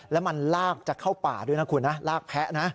แล้วมันลากจะเข้าป่าด้วยนะคุณนะลากแพ้นะ